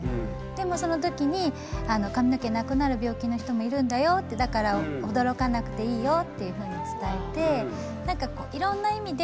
でもそのときに髪の毛なくなる病気の人もいるんだよってだから驚かなくていいよっていうふうに伝えて。